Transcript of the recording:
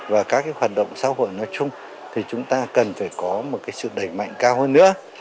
và các hoạt động xã hội nói chung thì chúng ta cần phải có một sự đẩy mạnh cao hơn nữa